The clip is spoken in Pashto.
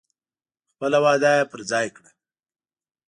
خپله وعده یې پر ځای کړه.